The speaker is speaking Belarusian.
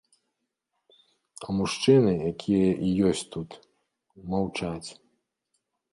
А мужчыны, якія і ёсць тут, маўчаць.